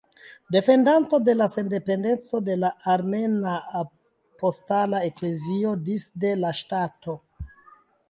Defendanto de la sendependeco de la Armena Apostola Eklezio disde la ŝtato.